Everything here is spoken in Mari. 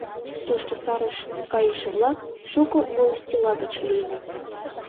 Тушто сарыш кайыше-влак шуко волостьла гыч лийыныт.